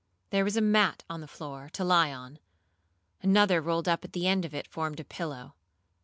There was a mat on the floor, to lie on; another rolled up at the end of it formed a pillow.